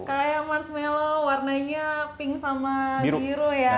kayak marshmallow warnanya pink sama giro ya